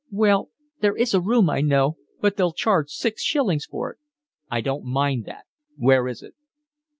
"Well, there is a room I know, but they'll charge six shillings for it." "I don't mind that. Where is it?"